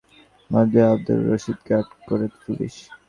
এ সময় ভারতীয় নাগরিক আমিনুর মাতব্বরসহ আবদুর রশিদকে আটক করে পুলিশ।